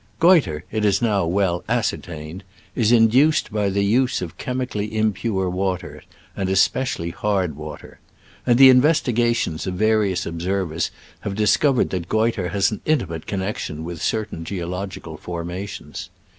Goitre, it is now well ascertained, is induced by the use of chemically im pure water, and especially hard water ; and the investigations of various ob servers have discovered that goitre has an intimate connection with certain geological formations.